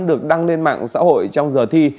được đăng lên mạng xã hội trong giờ thi